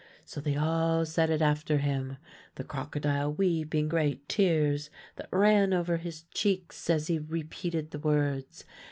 So they all said it after him, the crocodile weeping great tears that ran over his cheeks as he repeated the words.